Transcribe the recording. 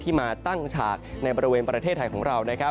มาตั้งฉากในบริเวณประเทศไทยของเรา